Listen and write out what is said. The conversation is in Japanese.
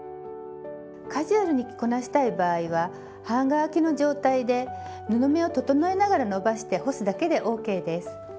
カジュアルに着こなしたい場合は半乾きの状態で布目を整えながら伸ばして干すだけでＯＫです。